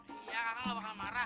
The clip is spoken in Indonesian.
iya kadang nggak bakal marah